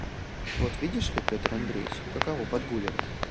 «Вот видишь ли, Петр Андреич, каково подгуливать.